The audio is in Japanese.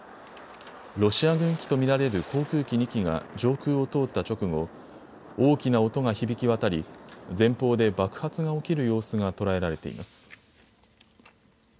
ロシア軍機と見られる航空機２機が上空を通った直後、大きな音が響き渡り、前方で爆発が起きる様子が捉えられています。